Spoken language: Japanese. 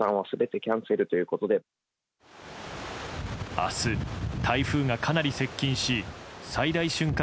明日、台風がかなり接近し最大瞬間